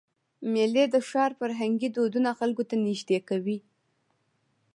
میلې د ښار فرهنګي دودونه خلکو ته نږدې کوي.